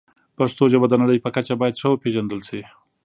پښتو ژبه د نړۍ په کچه باید ښه وپیژندل شي.